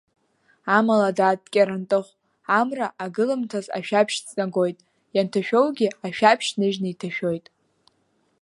Амала, дад, Кьарантыху, амра агыламҭаз ашәаԥшь ҵнагоит, ианҭашәоугьы ашәаԥшь ныжьны иҭашәоит.